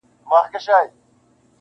زما او جانان د زندګۍ خبره ورانه سوله.